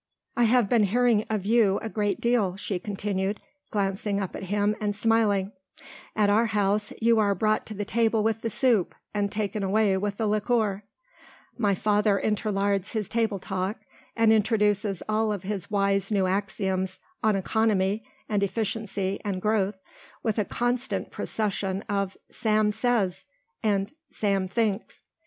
"I have been hearing of you a great deal," she continued, glancing up at him and smiling. "At our house you are brought to the table with the soup and taken away with the liqueur. My father interlards his table talk, and introduces all of his wise new axioms on economy and efficiency and growth, with a constant procession of 'Sam says' and 'Sam thinks.